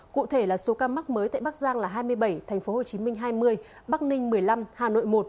cụ thể là số ca mắc mới tại bắc giang là hai mươi bảy tp hcm hai mươi bắc ninh một mươi năm hà nội một